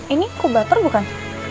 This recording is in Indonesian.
ini kubater bukan